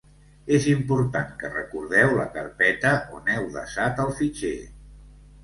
És important que recordeu la carpeta on heu desat el fitxer.